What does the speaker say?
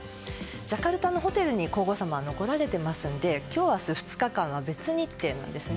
ジャカルタのホテルに皇后さまは残られているので今日と明日、２日間は別日程なんです。